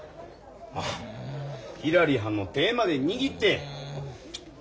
ひらりはんの手ぇまで握って。